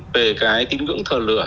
về cái tín ngưỡng thờ lửa